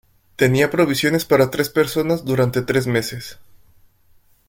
Tenía provisiones para tres personas durante tres meses.